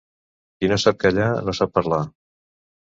Qui no sap callar, no sap parlar.